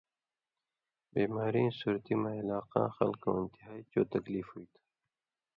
بیماریں صورتی مہ علاقاں خلکوں انتہائی چو تکلیف ہُوئ تُھو۔